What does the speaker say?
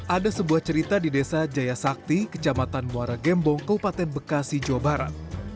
ada sebuah cerita di desa jaya sakti kecamatan muara gembong kabupaten bekasi jawa barat